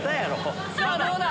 さぁどうだ？